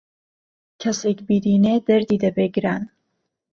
کهسێک بيدينێ دهردی دهبێ گران